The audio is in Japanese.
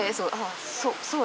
そう。